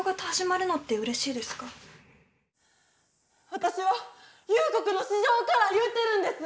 私は憂国の至情から言うてるんです！